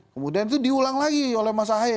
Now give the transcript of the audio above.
kemudian itu diulang lagi oleh mas ahy